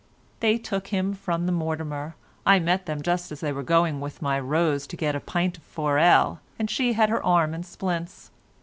They took him from the Mortimer, I met them just as I was going with my Rose to get a pint o' four ale, and she had her arm in splints.